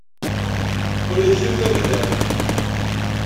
Ula d kemm d amdan.